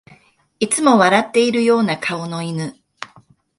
いつも笑ってるような顔の犬